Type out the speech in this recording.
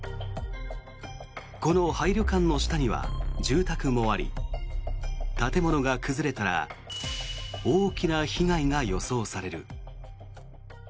この廃旅館の下には住宅もあり建物が崩れたら大きな被害が予想される。